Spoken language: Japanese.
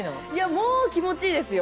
もう気持ちいいですよ。